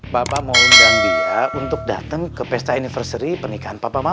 bapak mau undang dia untuk dateng ke pesta anniversary pernikahan papa mama